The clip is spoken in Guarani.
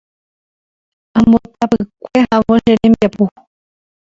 Ambotapykue ahávo che rembiapo.